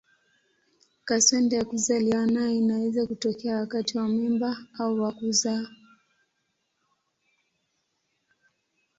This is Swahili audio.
Kaswende ya kuzaliwa nayo inaweza kutokea wakati wa mimba au wa kuzaa.